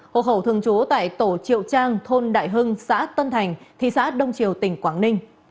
hồ hậu thường chú tại tổ triệu trang thôn đại hưng xã tân thành thị xã đông triều tỉnh quảng ninh